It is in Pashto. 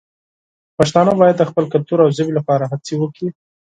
پښتانه باید د خپل کلتور او ژبې لپاره هڅې وکړي.